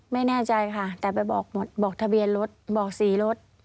ไม่แน่ใจค่ะแต่ไปบอกทะเบียนรถบอกสีรถ